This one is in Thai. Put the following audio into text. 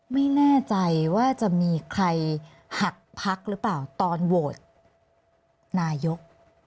ไม่แน่ใจว่าจะมีใครหักพักหรือเปล่าตอนโหวตนายก